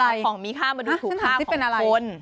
อยากเอาของมีค่ามาดูถูกค่าของคน